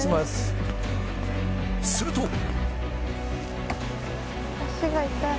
すると。